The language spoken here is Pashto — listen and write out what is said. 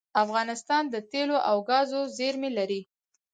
افغانستان د تیلو او ګازو زیرمې لري